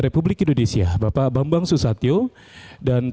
republik indonesia bapak bambang susatyo dan